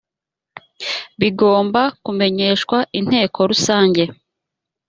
bigomba kumenyeshwa inteko rusange